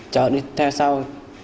cháu đi theo sau